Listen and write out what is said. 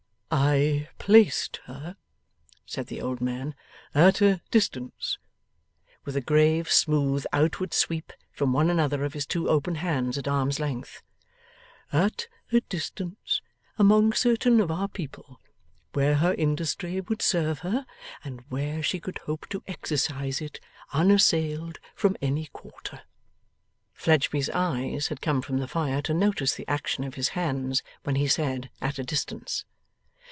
'I placed her,' said the old man, 'at a distance;' with a grave smooth outward sweep from one another of his two open hands at arm's length; 'at a distance among certain of our people, where her industry would serve her, and where she could hope to exercise it, unassailed from any quarter.' Fledgeby's eyes had come from the fire to notice the action of his hands when he said 'at a distance.